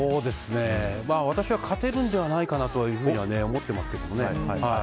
私は勝てるのではないかとは思ってるんですけどね。